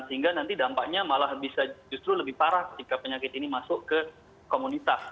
sehingga nanti dampaknya malah bisa justru lebih parah ketika penyakit ini masuk ke komunitas